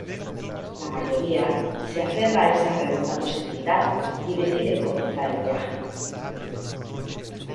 La mayoría se aferra a esa remota posibilidad y deciden comenzar el viaje.